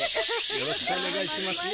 よろしくお願いしますよ。